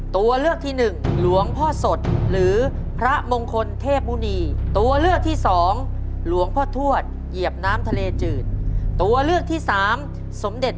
ตัวเลือกที่๔หลวงปู่มั่นภูริทัตโต